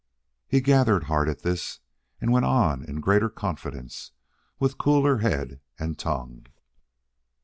He gathered heart at this, and went on in greater confidence, with cooler head and tongue.